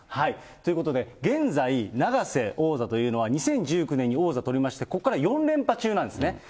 ということで、現在、永瀬王座というのは２０１９年に王座取りまして、ここから４連覇中なんですね。